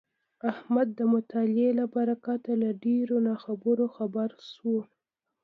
احمد د مطالعې له برکته له ډېرو ناخبرو خبر شولو.